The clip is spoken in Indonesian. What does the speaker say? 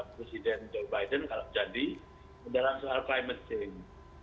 presiden joe biden kalau jadi dalam soal climate change